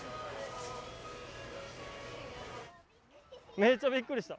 めっちゃびっくりした。